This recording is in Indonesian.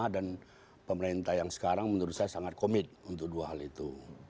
dan pemerintah yang sekarang menurut saya sangat komit untuk dua hal itu